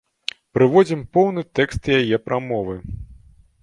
Прыводзім поўны тэкст яе прамовы.